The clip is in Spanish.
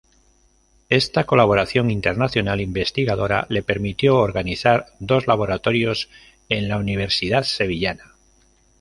Esta colaboración internacional investigadora le permitió organizar dos laboratorios en la Universidad sevillana.